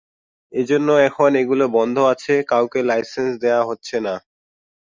এজন্য এখন এগুলো বন্ধ আছে, কাউকে লাইসেন্স দেয়া হচ্ছে না।